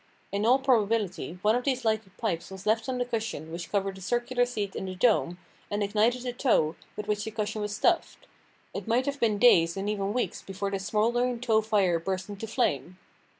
In all probability, one of these lighted pipes was left on the cushion which covered the circular seat in the dome and ignited the tow with which the cushion was stuffed. It may have been days and even weeks before this smouldering tow fire burst into flame.